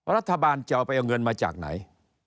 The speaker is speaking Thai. รัฐบาลจะเอาไปเอาเงินมาจากไหน